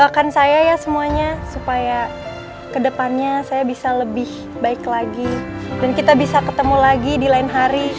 makan saya ya semuanya supaya kedepannya saya bisa lebih baik lagi dan kita bisa ketemu lagi di lain hari